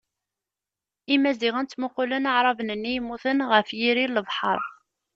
Imaziɣen ttmuqulen Aɛraben-nni yemmuten, ɣef yiri n lebḥeṛ.